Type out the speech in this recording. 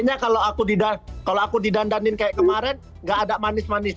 sebenarnya kalau aku didandanin kayak kemarin nggak ada manis manis